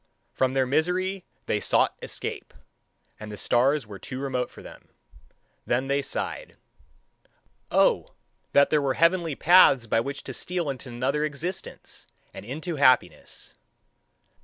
From their misery they sought escape, and the stars were too remote for them. Then they sighed: "O that there were heavenly paths by which to steal into another existence and into happiness!"